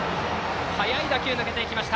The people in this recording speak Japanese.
速い打球が抜けて行きました。